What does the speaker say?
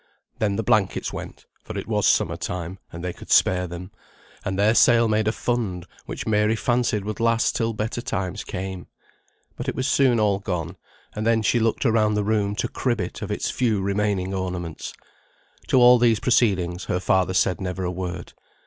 Then the blankets went, for it was summer time, and they could spare them; and their sale made a fund, which Mary fancied would last till better times came. But it was soon all gone; and then she looked around the room to crib it of its few remaining ornaments. To all these proceedings her father said never a word.